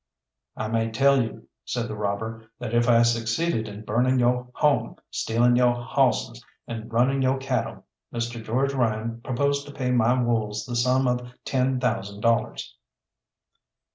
"I may tell you," said the robber, "that if I succeeded in burning yo' home, stealing yo' hawsses, and running yo' cattle, Mr. George Ryan proposed to pay my wolves the sum of ten thousand dollars."